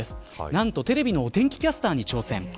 なんと、テレビのお天気キャスターに挑戦。